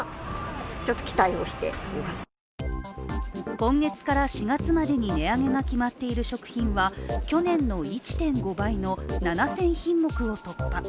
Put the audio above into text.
今月から４月までに値上げが決まっている食品は去年の１．５倍の７０００品目を突破。